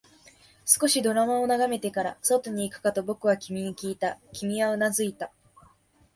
少しドラマを眺めてから、外に行くかと僕は君にきいた、君はうなずいた